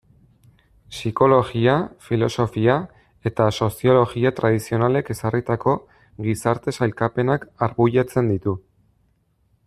Psikologia, filosofia eta soziologia tradizionalek ezarritako gizarte sailkapenak arbuiatzen ditu.